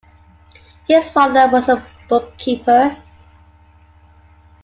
His father was a bookkeeper.